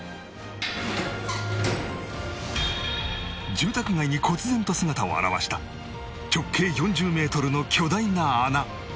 住宅街にこつぜんと姿を現した直径４０メートルの巨大な穴